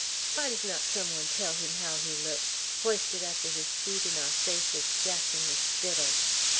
Why does not some one tell him how he looks, hoisted up with his feet in our faces, scratching his fiddle?